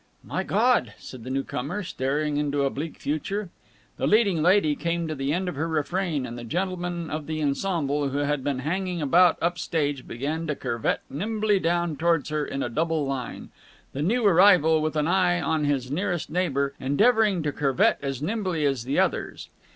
"My God!" said the newcomer, staring into a bleak future. The leading lady came to the end of her refrain, and the gentlemen of the ensemble, who had been hanging about up stage, began to curvet nimbly down towards her in a double line; the new arrival, with an eye on his nearest neighbour, endeavouring to curvet as nimbly as the others.